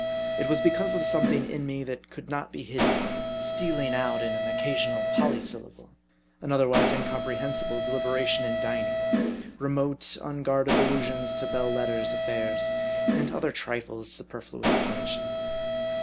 It was because of something in me that could not be hidden ; stealing out in an occasional polysyllable ; an otherwise incomprehensible deliberation in dining ; remote, unguarded allusions to Belles Lettres affairs ; and other trifles superfluous to mention.